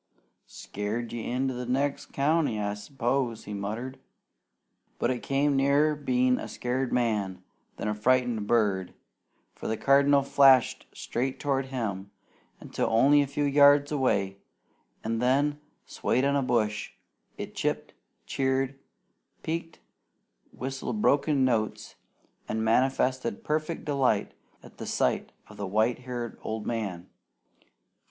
"Scared you into the next county, I s'pose," he muttered. But it came nearer being a scared man than a frightened bird, for the Cardinal flashed straight toward him until only a few yards away, and then, swaying on a bush, it chipped, cheered, peeked, whistled broken notes, and manifested perfect delight at the sight of the white haired old man.